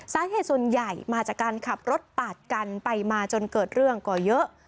สาเหตุส่วนใหญ่มาจากการขับรถปาดกันไปมาจนเกิดเรื่องก่อเยอะ